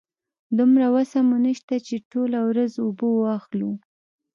دومره وسه مو نشته چې ټوله ورځ اوبه واخلو.